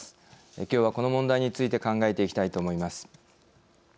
きょうはこの問題について考えていきたいと思います。